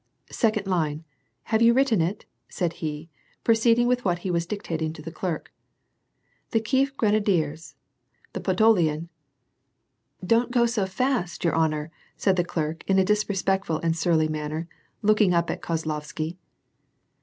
" Second line. Have you written it ?" said he, proceeding with what he was dictating to the clerk :" The Kief grenadiei s, the Podolian "—" Don't go so fast, your honor,"* said the clerk in a disre* spectful and surly manner, looking up at Kozlovsky.